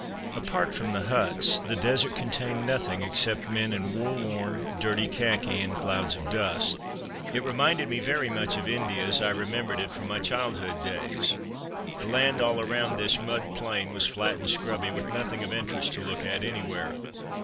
Apart from the huts the desert contained nothing except men in war worn, dirty khaki, and clouds of dust. It reminded me very much of India, as I remembered it from my childhood days. The land all around this mud plain was flat and scrubby, with nothing of interest to look at anywhere.